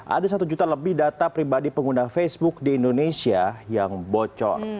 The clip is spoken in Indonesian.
ada satu juta lebih data pribadi pengguna facebook di indonesia yang bocor